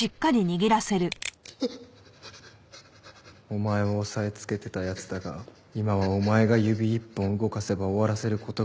お前を押さえつけてた奴だが今はお前が指一本動かせば終わらせる事ができる。